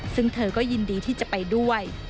ซึ่งเธอก็ยินดีที่จะไปด้วย